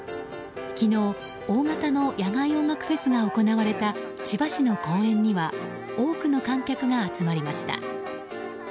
昨日、大型の野外音楽フェスが行われた千葉市の公園には多くの観客が集まりました。